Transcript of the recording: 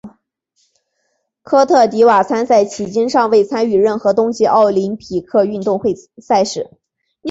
科特迪瓦参赛迄今尚未参与任何冬季奥林匹克运动会赛事。